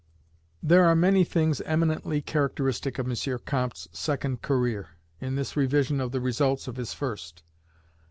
There are many things eminently characteristic of M. Comte's second career, in this revision of the results of his first.